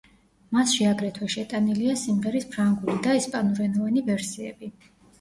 მასში აგრეთვე შეტანილია სიმღერის ფრანგული და ესპანურენოვანი ვერსიები.